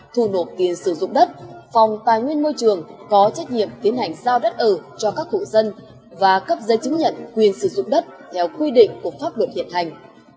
thu nộp tiền sử dụng đất phòng tài nguyên môi trường có trách nhiệm tiến hành giao đất ở cho các hộ dân và cấp giấy chứng nhận quyền sử dụng đất theo quy định của pháp luật hiện hành